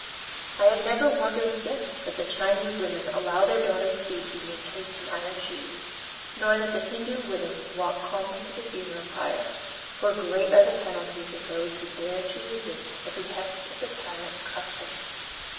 I have never wondered since that the Chinese women allow their daughters' feet to be encased in iron shoes, nor that the Hindoo widows walk calmly to the funeral pyre; for great are the penalties of those who dare resist the behests of the tyrant Custom.